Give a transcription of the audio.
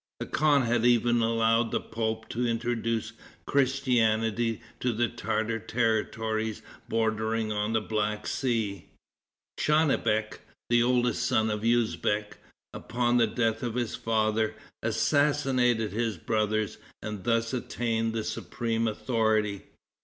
The khan had even allowed the pope to introduce Christianity to the Tartar territories bordering on the Black Sea. Tchanibek, the oldest son of Usbeck, upon the death of his father, assassinated his brothers, and thus attained the supreme authority.